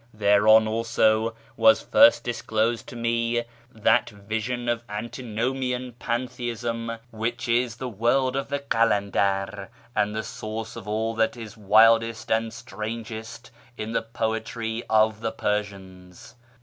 Thereon, also, was first disclosed to me that vision of anti nomian pantheism which is the World of the Kalandar, and the source of all that is wildest and strangest in the poetry of the Persians.